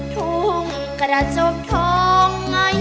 ทุ่งกระจกทองไง